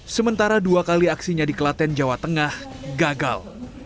sementara dua kali aksinya di kelaten jawa tengah gagal